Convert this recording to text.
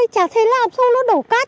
chả thấy làm xong nó đổ cát